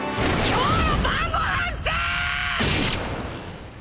今日の晩ごはんっす‼